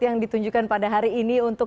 yang ditunjukkan pada hari ini untuk